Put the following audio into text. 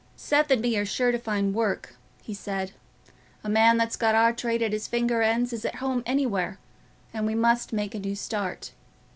"Seth and me are sure to find work," he said. "A man that's got our trade at his finger ends is at home everywhere; and we must make a new start.